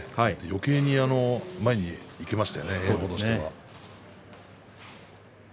よけいに前に行きましたね